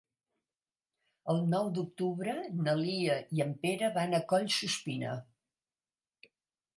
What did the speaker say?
El nou d'octubre na Lia i en Pere van a Collsuspina.